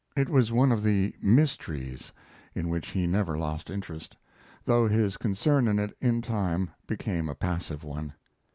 It was one of the "mysteries" in which he never lost interest, though his concern in it in time became a passive one.